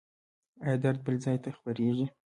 ایا درد بل ځای ته خپریږي؟